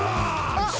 あっ！